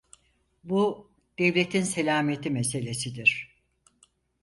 Bu, devletin selameti meselesidir.